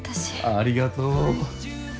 ありがとう。